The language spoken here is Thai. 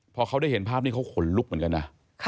พอเขาได้เห็นภาพนี้เขาขนลุกเหมือนกันนะ